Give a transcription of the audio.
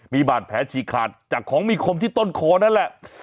มีบาดแผลฉีกขาดจากของมีคมที่ต้นคอนั่นแหละ